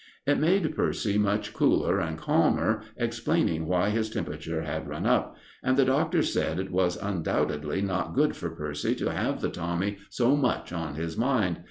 It made Percy much cooler and calmer explaining why his temperature had run up, and the doctor said it was undoubtedly not good for Percy to have the Tommy so much on his mind.